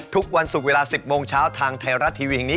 ทุกวันศุกร์เวลา๑๐โมงเช้าทางไทยรัฐทีวีแห่งนี้